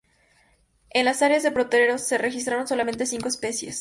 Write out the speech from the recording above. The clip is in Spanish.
En las áreas de potreros se registraron solamente cinco especies